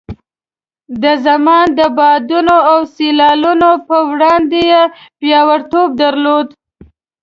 د زمان د بادونو او سیلاوونو په وړاندې یې پیاوړتوب درلود.